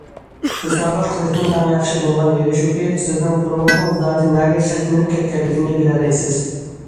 ھېسابات قىلىشنىڭ ئەڭ ياخشى بولغان يېرى شۇكى سىزنىڭ پۇلىڭىزنىڭ زادى نەگە خەجلىنىپ كەتكەنلىكىنى بىلەلەيسىز.